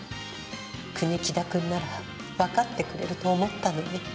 国木田君ならわかってくれると思ったのに。